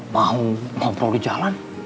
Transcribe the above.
mau ngobrol di jalan